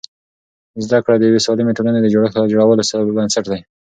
زده کړه د یوې سالمې ټولنې د جوړولو بنسټ دی.